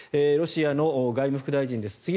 ロシアの外務副大臣です。